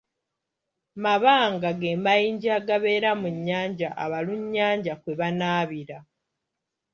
Mabanga ge mayinja agabeera mu nnyanja abalunnyanja kwe banaabira.